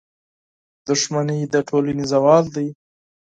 • دښمني د ټولنې زوال دی.